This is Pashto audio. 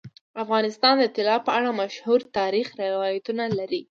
افغانستان د طلا په اړه مشهور تاریخی روایتونه لري.